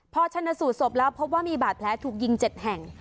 พอชนะสูตรศพแล้วพบว่ามีบาดแผลถูกยิง๗แห่ง